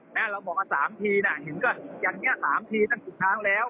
แล้วเราบอกว่าสามทีอย่างนี้สามทีตั้ง๑๐ช้างแล้ว